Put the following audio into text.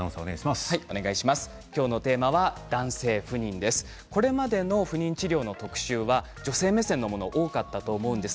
今日のテーマは男性不妊です。